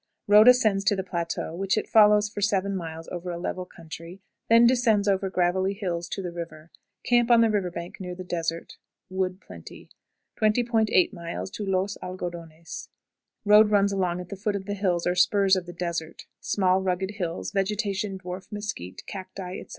Road ascends to the plateau, which it follows for seven miles over a level country, then descends over gravelly hills to the river. Camp on the river bank near the desert. Wood plenty. 20.80. Los Algodones. Road runs along at the foot of the hills or spurs of the desert; small rugged hills, vegetation dwarf mesquit, cacti, etc.